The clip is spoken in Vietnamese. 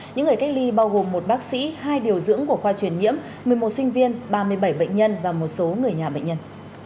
những người cách ly bao gồm một bác sĩ hai điều dưỡng của khoa truyền nhiễm một mươi một sinh viên ba mươi bảy bệnh nhân và một số người nhà bệnh nhân